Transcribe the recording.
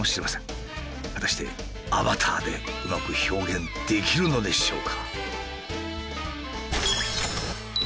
果たしてアバターでうまく表現できるのでしょうか？